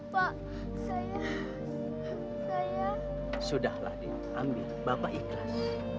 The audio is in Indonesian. pak saya sudah lah ambil bapak ikhlas